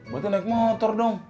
buatnya naik motor dong